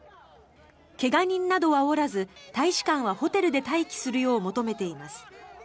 怪我人などはおらず大使館はホテルで待機するよう求めています。